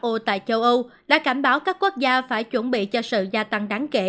ô tại châu âu đã cảnh báo các quốc gia phải chuẩn bị cho sự gia tăng đáng kể